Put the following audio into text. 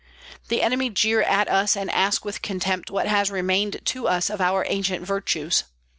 The enemy jeer at us and ask with contempt what has remained to us of our ancient virtues.